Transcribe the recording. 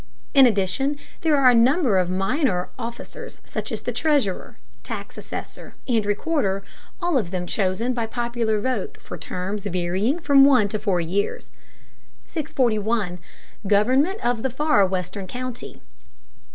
In addition there are a number of minor officers such as the treasurer, tax assessor, and recorder, all of them chosen by popular vote for terms varying from one to four years. 641. GOVERNMENT OF THE FAR WESTERN COUNTY.